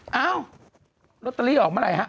เอ้าลอตเตอรี่ออกเมื่อไหร่ฮะ